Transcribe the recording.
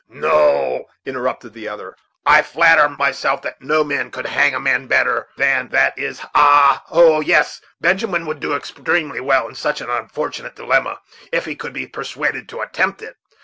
"No," interrupted the other; "I flatter myself that no man could hang a man better than that is ha! oh! yes, Benjamin would do extremely well in such an unfortunate dilemma, if he could be persuaded to attempt it.